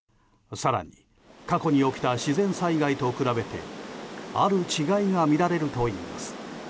更に、過去に起きた自然災害と比べてある違いが見られるといいます。